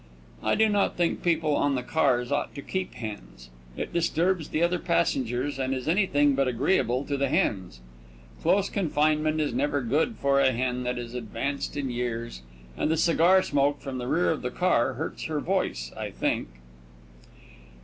I do not think people on the cars ought to keep hens. It disturbs the other passengers and is anything but agreeable to the hens. Close confinement is never good for a hen that is advanced in years, and the cigar smoke from the rear of the car hurts her voice, I think.